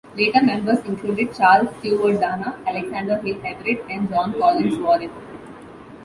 Later members included Charles Stewart Dana, Alexander Hill Everett, and John Collins Warren.